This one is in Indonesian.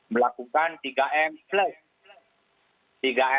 melakukan tiga m flash